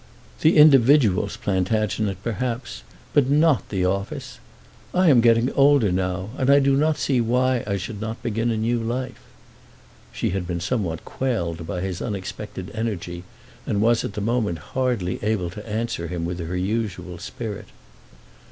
"The individuals, Plantagenet, perhaps; but not the office. I am getting older now, and I do not see why I should not begin a new life." She had been somewhat quelled by his unexpected energy, and was at the moment hardly able to answer him with her usual spirit.